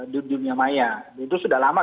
di dunia maya itu sudah lama